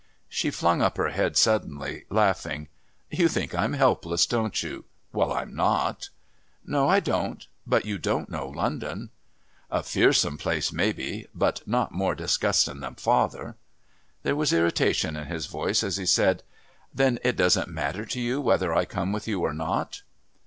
She flung up her head suddenly, laughing. "You think I'm helpless, don't you? Well, I'm not." "No, I don't but you don't know London." "A fearsome place, mebbe, but not more disgustin' than father." There was irritation in his voice as he said: "Then it doesn't matter to you whether I come with you or not?"